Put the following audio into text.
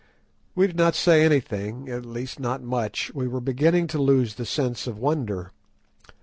We did not say anything, at least, not much; we were beginning to lose the sense of wonder.